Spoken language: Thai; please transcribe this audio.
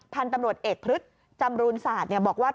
พันธุ์ตำรวจเอกพฤษจำรูนศาสตร์บอกว่า